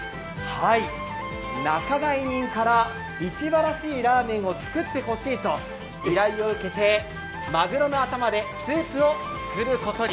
仲買人から市場らしいラーメンを作ってほしいと依頼を受けてまぐろの頭でスープを作ることに。